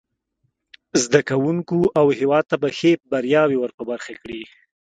زده کوونکو او هیواد ته به ښې بریاوې ور په برخه کړي.